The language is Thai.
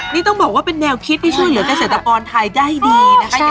นี่ต้องบอกว่าเป็นแนวคิดที่ช่วยเหลือกเกษตรกรไทยได้ดีนะคะ